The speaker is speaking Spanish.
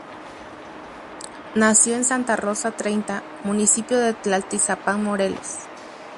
Nació en Santa Rosa Treinta, municipio de Tlaltizapán, Morelos.